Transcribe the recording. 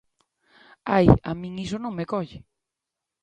Ai, a min iso non me colle.